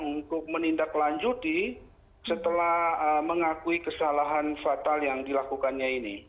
untuk menindaklanjuti setelah mengakui kesalahan fatal yang dilakukannya ini